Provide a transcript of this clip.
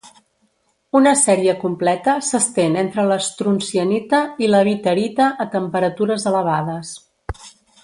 Una sèrie completa s'estén entre l'estroncianita i la witherita a temperatures elevades.